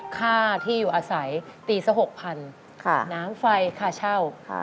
ค่าที่อยู่อาศัยตีสัก๖๐๐๐น้ำไฟค่าเช่า